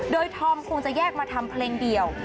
โดยธอมคงจะแยกมาทำเพลงเดียว